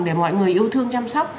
để mọi người yêu thương chăm sóc